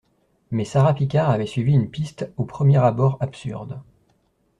Mais Sara Picard avait suivi une piste au premier abord absurde